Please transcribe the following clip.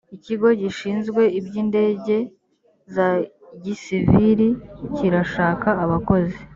ikigo gishinzwe iby’indege za gisiviri kirashaka abakozi.